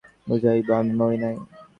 আমি কেমন করিয়া তোমাদের বুঝাইব, আমি মরি নাই।